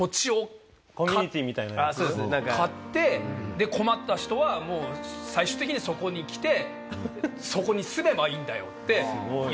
土地を買って困った人は最終的にはそこに来てそこに住めばいいんだよって言ってます。